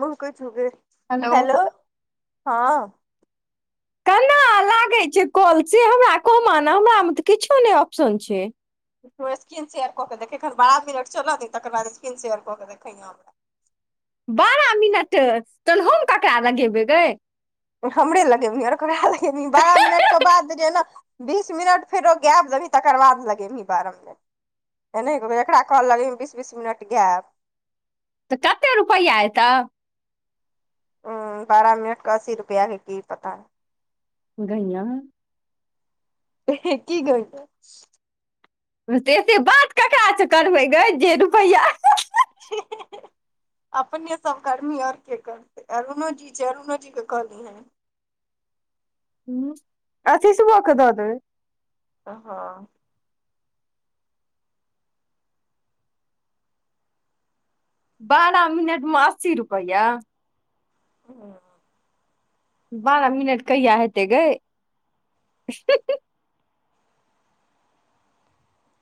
बक छु हेलो ह केना लागे छै कल से हमरा कहबे ना हमरा में तऽ किछो ने ऑप्शन छै तो स्क्रीनशेयर क के देखखन बारह मिनट चलऽ ने तकर बाद स्क्रीन सेेयर क के देखैह हमरा बारह मिनट त हम ककरा लगेबे ग हमरे लगेबही आर ककरा लगेबी बारह मिनट के बाद जे जे न बीस मिनट फेरो गैप देबही तकर बाद लगेबही बारह मिनट ए नहिबै एकरा कहल लगैमे बीस बीस मिनट गैप तऽ कते रुपैआ एतौ ह बारह मिनट क अस्सी रुपैआ हेतै की पता नइ कहिया हं की करब से एते बात ककारास से करबै गे जे रुपैआ हीही अपने सब कर्मी और के करतै अरुणो जी छै अरुणो जी के कलतै हू आशीसबो के द देबै ओ हं बारह मिनट में अस्सी रुपैआ हं बारह मिनट कहिया हेतै ग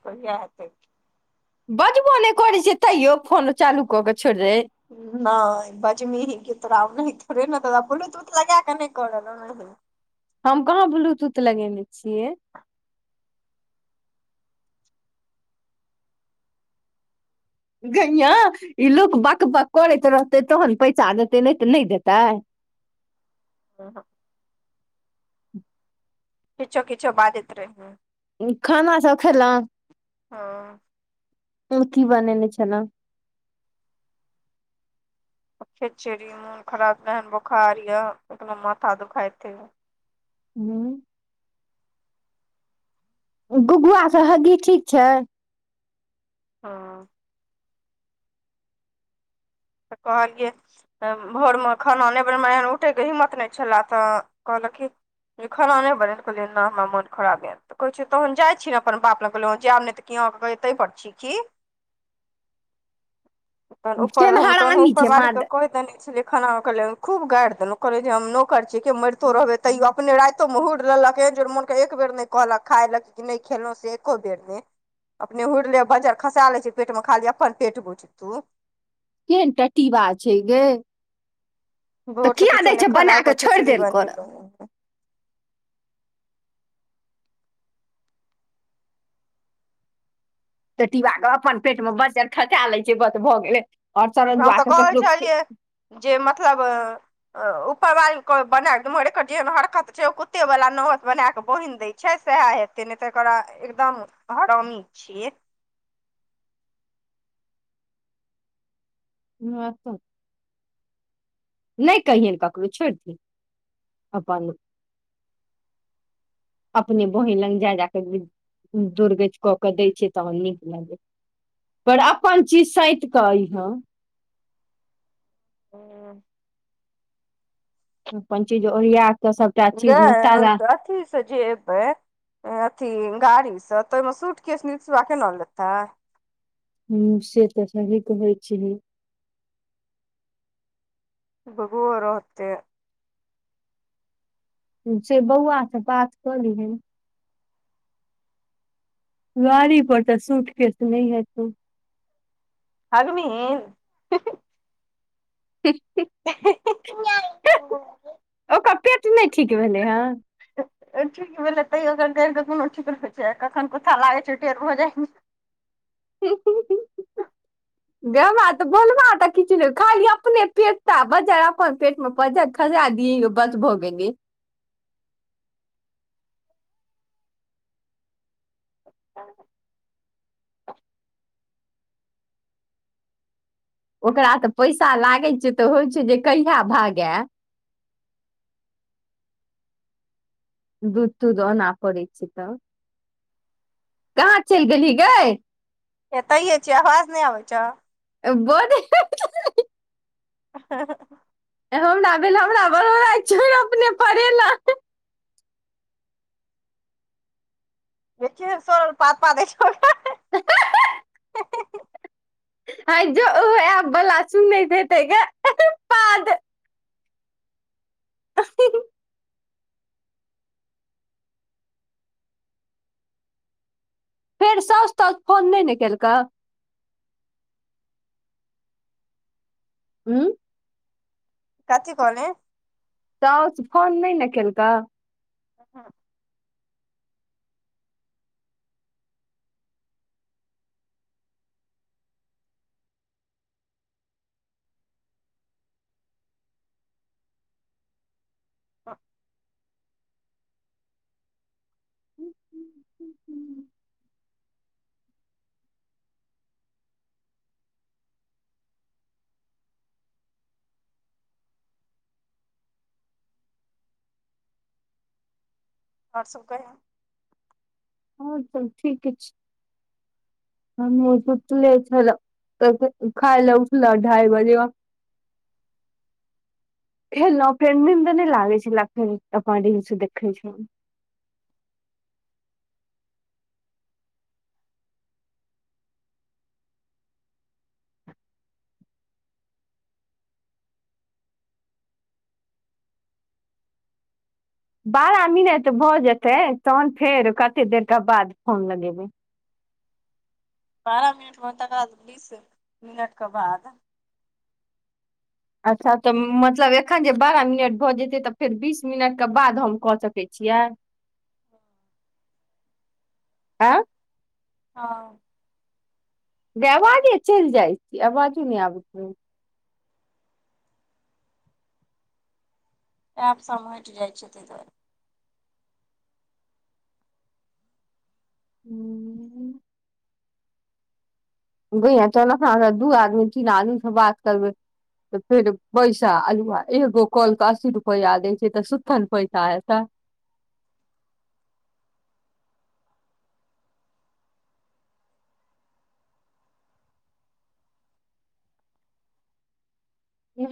कहिआ हतै बजबो नहि करैत छियै तैयो फोन चालू कऽ के छोड़ दे नहि बाजी मी ही गत राम नहि ह थ रहे नें दादा बोलत त लगा क नहि कर देबै हम कहाँ ब्लूटूथ लगेने छियै गै माइ ई लोक बक बक करैत रहतै तहन पैसा देतै नहि तऽ नहि देतै हं क किछो किच्छो बाजैत रहै खाना सब खेलउ हँ कि की बनेने छलहुँ खे चे मोन खराब रहन बोखार ये एखनो माथा दुखाइते य हूँ गुघआ से हगी ठीक छ हं त कहलिय भोर में खाना ने बन उठयके हिम्मत नहि छलए तऽ कहलखिन जे खाना नहि बनलै कहलियै ने हमरा मोन खराब आइ तऽ कहै छै तहन जाइ छी ने अपन बाप लग कहलहुँ जायब नहि तऽ क अहाँके कहै ताहिपर छी की तहन ऊपर सेन हम तहन हड़ामी ऊपर छै म मालिकके कहि देने छलियै खाना खूब गारिेदेहुलै जे हम कहि देलियै जे नौकरी छियै के मरितो रहबै तैयो अपने राति क महुड़ि लेलक एक जो मोने एक बेर नहि कहलक खाय लक नहि खेलहु से एको बेर नै अपने हुड़ि लेये बजर खसा ले छै पेट मे खाली अपन पेट बुछ तु केहन टटीबा छै ग तऽ भोर से किया किछो नहि दैत छै खाना बना आबि कऽ छोइर खिचड़ी देल करत बनेलहुँ पेटिबा के अपन पेट मे बचर खसा लै छै बस भऽ गेलै ओर हम चरदुआ तऽ के कहै ककरो छलियै जे मतलब ऊपर बाल बना जेहन एकर हरकत छै कुत्ते वला नहथ बना क बान्हि देै छै सएह हेतै नहि तऽ एकरा एकदम हरामी छियै ह अत नहि कहियन ककरो छौड़ दियौ अपन [unintelligible] [unintelligible] अपने बहिन लग जाय जाकऽ दोर्गत कऽ के दै छियै तहन नीक लगे पर अपन चीज सैत क अइह ह [unintelligible] अपन चीज ओरिया कऽ सभटा चीज मे गै ताला अथी से जे एतै अथी गाड़ी स तऽ ओहिमे सूट केश निसुआ केना लेताय ह से तऽ सही कहै छही वोहो रहतै से बौआ से बात क लिहनै गाड़ी पर तऽ सूट के त नहि हेतौ रागनी [unintelligible] त [unintelligible] [unintelligible] [inaudible] [inaudible] ओकर पेट नहि ठीक भेलै हँ ठीक भेलै तैओ एकर गैर के कोनो ठीक रहै छै कखन कुथा लागै छै टेर भऽ जाइ ह [unintelligible] गेमा तऽ बोलब तऽ किछु नहि खाली अपने पेटता बजार परतै बज्जर खसा दीबस भऽ गेलै ह ओकरा तऽ पैसा लागैछै तऽ होइ छै जे कहिया भागय दूध तूध ना पड़ै छै तब कहाँ चलि गेलहि गै एतैे छियै आवाज नहि आबै छौ बोल [unintelligible] ह [unintelligible] हमरा भेल हमरा बड़ बड़ अपने परेलै केहन सरल पाद पादै छैं है जो ओएप वला सुनैत हेतै गे पाद अस्ी [unintelligible] फेर सौस त फोन नहि ने केलकै हू कथि कहल त फोन नहि ने केलकौ ह हँ [unintelligible] ह [unintelligible] आओर सब कही हँ त ठीके छै सुुट झर [unintelligible] तस खाय ला उठल ढाइ बजे [unintelligible] [inaudible] खेलौ फेर निंद नै लगै छला अपन रिल्स देखै छौ बारह मिनट भऽ जेतै तहन फेर कते देरके बाद फोन लगेबै बारह मिनट भ तकर बाद तीस मिनटके बाद अच्छा तऽ मतलब एखन जे बारह मिनट भऽ जेते तऽ फेर बीस मिनट के बाद हम कऽ सकैत छी छिय ह [unintelligible] एआ हँ गय आवाजे चलि जाइ छीयै आवाजे नहि आबैत रहै एप सब हेट जाइ छै ताहि दुआरे हू च दू आदमी तीन आदमीसँ बात करबै तऽ फेर पैसा अलुहा एगो कल केऽ अस्सी रुपैआ लै छै तऽ सुतथन पैसा एत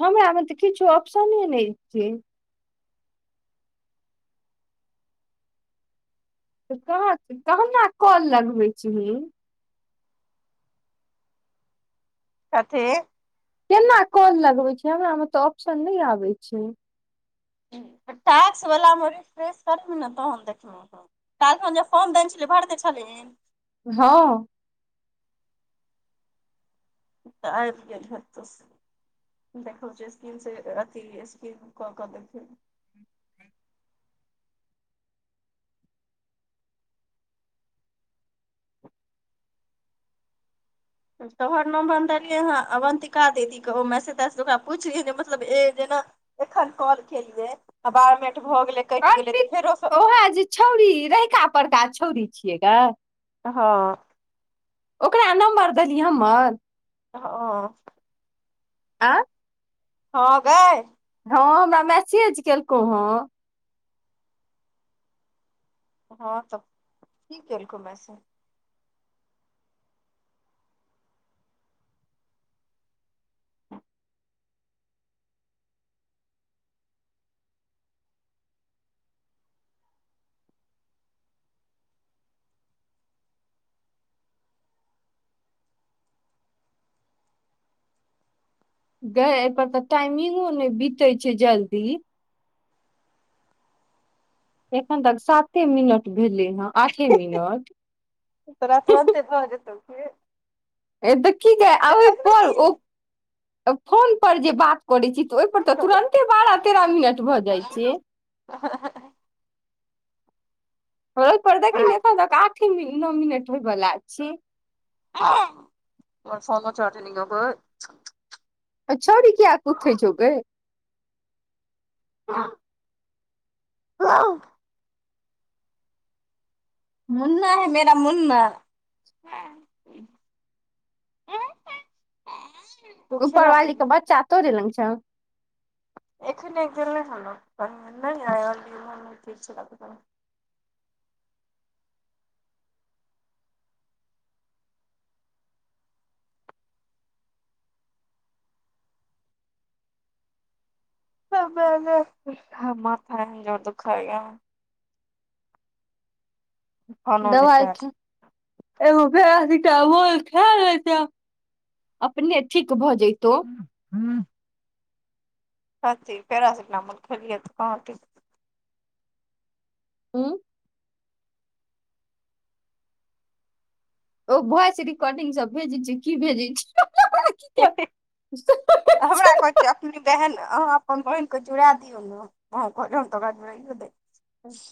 हमरा मे तऽ किछु अप्शन नहि छी त कहाँ कहना कॉल लगबै छीहिन कथी केना कॉल लगबे छै हमरा मे तऽ ऑप्शन नहि आबे छै टैक्स वाला मे रिफ्रेस करबी ने तहन देखबी काल्हि खुना जे फॉर्म देने छलियै भरिते छलन्हि हँ त आब गेल होते देखियौ स्कीम से अथि स्कम कऽ के दैखियौ ने तोहर नम्बर देलियै हेँ अवन्तिका दीदीके ओ मैसेज तैसेज ओकरा पुछलियै जे मतलब ए जेना एखन कॉल केलियै आ बारह मिनट भऽ गेलै ते कटि गेलै अर्पित तऽ फेरोसँ ओएह जे छौरी रहिका परड़का छौरी छियै गे हँ ओकरा नम्बर देलीह हमर हँ आ हँ गेय हँ हमरा मैसेज केलकौ हँ हँ तब की केलको मैसेज गे एहि पर तऽ टाइमिंगो ने बते छै जल्दी एखन तक साते मिनट भेलै हँ आठे मिनट तोरा तुरंते भऽ जेतौ कि देखी ने जाहिप ने ओ फोन पर जे बात करै छी ओहि पर तऽ तुरन्ते बारह तेरह मिनट भऽ जाइ छै ओपर देखी ने एतऽ तक आठे नओ मिनट होयवला छी फम चारट ओ [unintelligible] चोरी किया कुथे छै गेय ह [unintelligible] मुन्ना है मेरा मुन्ना [unintelligible] ऊपरवाली के पीना बच्चा तोरे लग छै, एखने गेले हँ ऊपर [inaudible] नहि हल नहिक ह मथा जोर दुख खाय या [unintelligible] फोनो नहि दबइ चार्ज ख फे पैरासिटपोल खलै त [unintelligible] अपने ठीक भऽ जतौ ' हँ कथि पेराासिटामोल खलिये ते कहाँ टूटले हूँ [inaudible] ओ भॉइस रिकोडिंग सब भेज छै कि भेज छै ठीक [inaudible] नी बहन अहाँ अपन बहिन के जोड़ा दियऔ ने अ कहलौ त ओकरा जोड़ाइयो दियो ने ह [inaudible]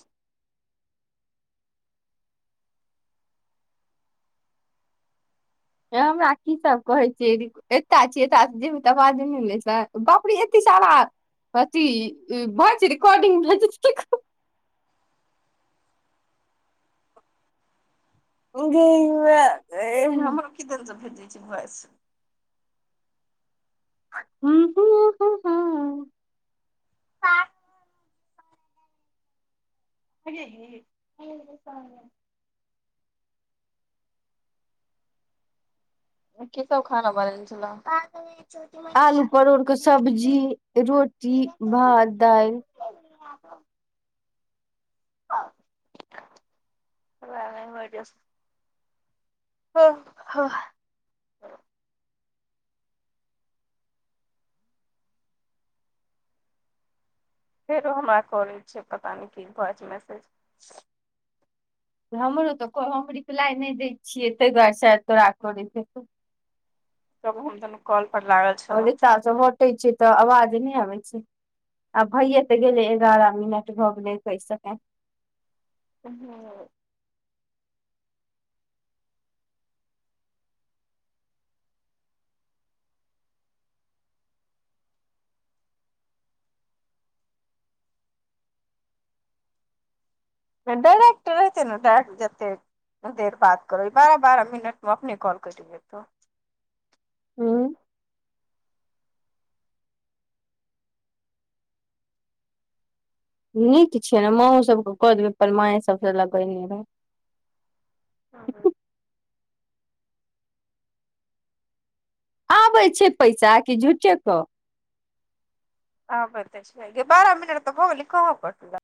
ए हमरा कि सब कहै छीयै ऐता छियै एत जेबी तऽ आवाज मिलै छै बापरी एत्ते सारा अथि भाइस रिकोडिंग भेजते तबने गे माई हमरो किदन से भेजै छै ब ह ह ह हं की सब खाना बनने छ आलू परोड़ के सब्जी रोटी भात दाइल हँ ब ब दस हँ हँ फेरो हमरा कॉलै छै पता नहि की भऽ जाइ छै मैसेज हमरो तऽ हमर लाय नहि दै छियै ताहि दुआरेसँ तोरा कर त ह तन कॉल पर लागल आ छलहुँ ज सब हटे छै तऽ आवाज नै आबै छै आ भैे तऽ गेलै एगारह मिनट भऽ गेलै इकाईय मिनट हं डरटतेन डट जतत देर बात करो बारह बारह मिनटमे अपने कॉल करऔ हँ नीक छियै ने माओ सबके कऽ देबै पर मए सबसँ लगेने रहै हँ आबे छै पैसा क झुटे ग्य बारह मिनट ता भा गिलोय